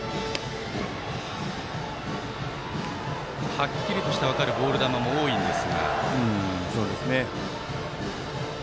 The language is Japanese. はっきりとして分かるボール球も多いです。